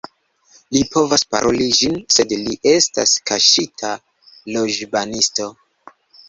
Li povas paroli ĝin, sed li estas kaŝita loĵbanisto